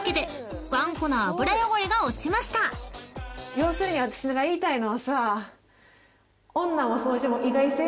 要するに私が言いたいのはさ。